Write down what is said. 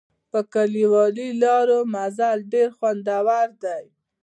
په کلیوالي لارو مزل ډېر خوندور دی.